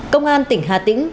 công an tỉnh hà tĩnh